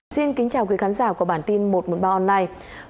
xin kính chào quý khán giả của bản tin một trăm một mươi ba online